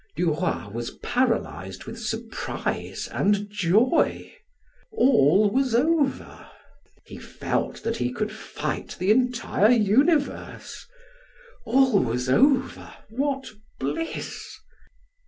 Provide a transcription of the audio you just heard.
Duroy was paralyzed with surprise and joy. All was over! He felt that he could fight the entire universe. All was over! What bliss!